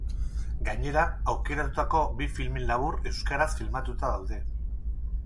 Gainera, aukeratutako bi film labur euskaraz filmatuta daude.